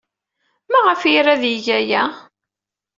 Maɣef ay ira ad yeg aya?